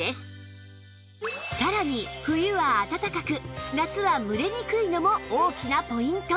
さらに冬はあたたかく夏は蒸れにくいのも大きなポイント！